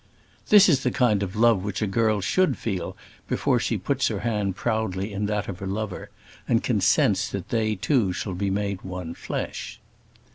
This is the kind of love which a girl should feel before she puts her hand proudly in that of her lover, and consents that they two shall be made one flesh.